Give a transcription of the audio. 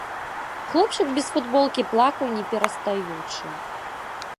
Хлопчык без футболкі плакаў не перастаючы.